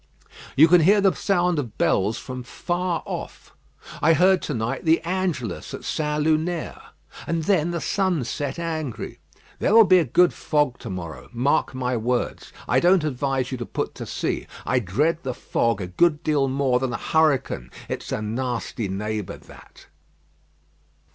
You can hear the sound of bells from far off. I heard to night the Angelus at St. Lunaire. And then the sun set angry. There will be a good fog to morrow, mark my words. I don't advise you to put to sea. I dread the fog a good deal more than a hurricane. It's a nasty neighbour that."